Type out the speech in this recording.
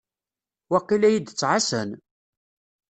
Waqil ad yi-d-ttɛassan.